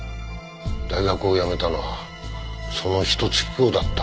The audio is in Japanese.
大学を辞めたのはそのひと月後だった。